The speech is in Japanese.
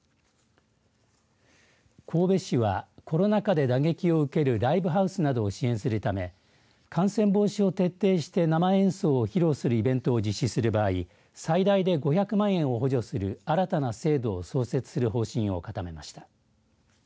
神戸市はコロナ禍で打撃を受けるライブハウスなどを支援するため感染防止を徹底して生演奏を披露するイベントを実施する場合最大で５００万円を補助する新たな制度を創設する方針を固めました。